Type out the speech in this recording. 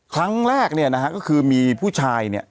ครั้งแรกเนี่ยนะฮะก็คือมีผู้ชายเนี่ย